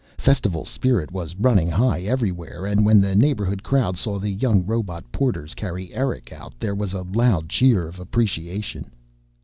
Festival spirit was running high everywhere and when the neighborhood crowd saw the young robot porters carry Eric out there was a loud cheer of appreciation.